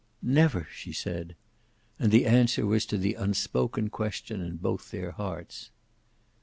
"Never!" she said. And the answer was to the unspoken question in both their hearts.